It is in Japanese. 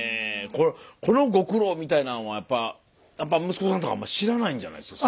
このご苦労みたいなのはやっぱ息子さんとかはあんまり知らないんじゃないんですか